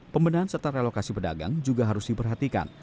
pembenahan serta relokasi pedagang juga harus diperhatikan